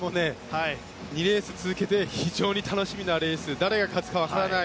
２レース続けて非常に楽しみなレースで誰が勝つか分からない。